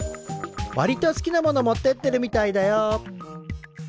わりと好きなもの持ってってるみたいだよ。